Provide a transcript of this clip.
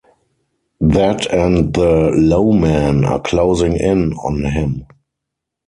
That and the "low men" are closing in on him.